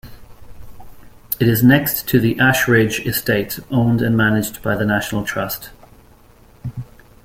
It is next to the Ashridge Estate, owned and managed by The National Trust.